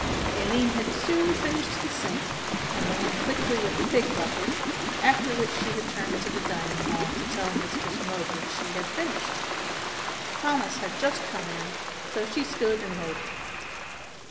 Aline had soon finished the sink and ran quickly with the pig bucket, after which she returned to the dining hall to tell Mistress Mowbray she had finished. Thomas had just come in, so she stood and waited.